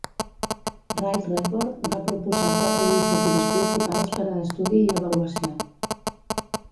Ride Report va proposar quatre iniciatives principals per a estudi i avaluació.